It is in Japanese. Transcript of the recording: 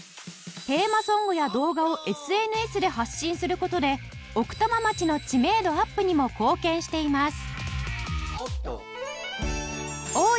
テーマソングや動画を ＳＮＳ で発信する事で奥多摩町の知名度アップにも貢献しています